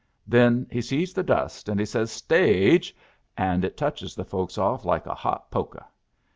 Then he sees the dust, and he says 'Stage!' and it touches the folks off like a hot pokeh.